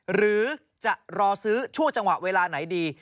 หรือจะรอซื้อชั่วจังหวะเวลาไหนดี